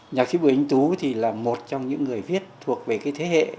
nhạc sĩ bùi anh tú thì là một trong những người viết thuộc về cái thế hệ